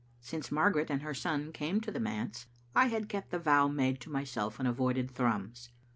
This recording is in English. Since Margaret and her son came to the manse I had kept the vow made to myself and avoided Thrums.